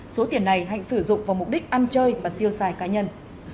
số tiền này hạnh sử dụng vào mục đích ăn chơi và tiêu xài cá nhân